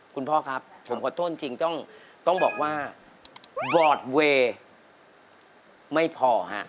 คุณพ่อครับผมขอโทษจริงต้องบอกว่าวอร์ดเวย์ไม่พอฮะ